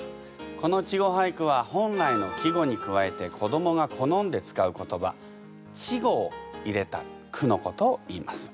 この稚語俳句は本来の季語に加えて子どもが好んで使う言葉稚語を入れた句のことをいいます。